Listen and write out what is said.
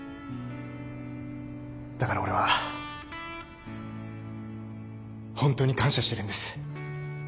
だから俺は本当に感謝してるんです。